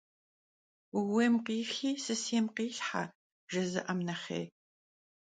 «Vuuêym khixi sısêym khilhhe» - jjızı'am nexhêy.